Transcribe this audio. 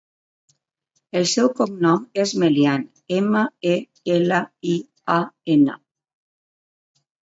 El seu cognom és Melian: ema, e, ela, i, a, ena.